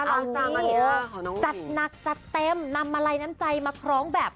เอาสิจัดหนักจัดเต็มนำมาลัยน้ำใจมาคล้องแบบ